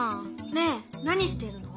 ねえ何してるの？